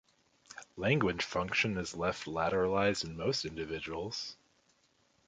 Language function is left lateralized in most individuals.